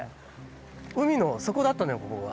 海の底だったのよここが。